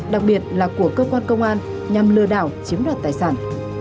đặc biệt là của cơ quan công an nhằm lừa đảo chiếm đoạt tài sản